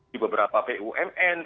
di beberapa bumn